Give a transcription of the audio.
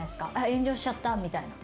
炎上しちゃったみたいな。